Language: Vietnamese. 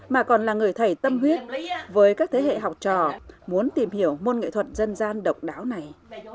mà còn là người thầy tâm huyết với các thế hệ học trò muốn tìm hiểu môn nghệ thuật dân gian độc đáo này